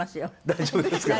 大丈夫ですか？